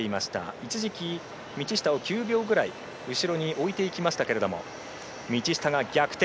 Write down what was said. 一時期、道下を９秒ぐらい後ろに置いていきましたけれども道下が逆転。